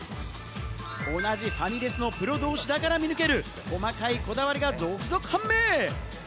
同じファミレスのプロ同士だから見抜ける、細かいこだわりが続々判明。